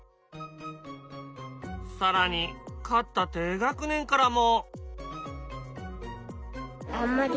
更に勝った低学年からも。